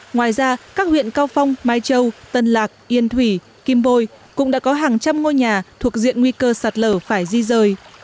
ngoài ra các huyện cao phong mai châu tân lạc yên thủy kim bôi cũng đã có hàng trăm ngôi nhà thuộc diện nguy cơ sạt lở phải di rời